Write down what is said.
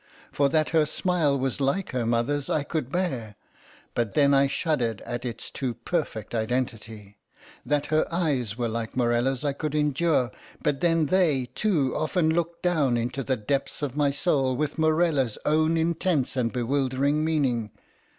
For that her smile was like her mother's I could bear; but then I shuddered at its too perfect identity—that her eyes were like Morella's I could endure; but then they, too, often looked down into the depths of my soul with Morella's own intense and bewildering meaning.